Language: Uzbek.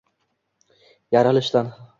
Yaralishdan